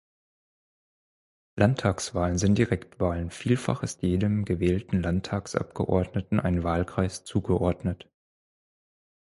Landtagswahlen sind Direktwahlen, vielfach ist jedem gewählten Landtagsabgeordneten ein Wahlkreis zugeordnet.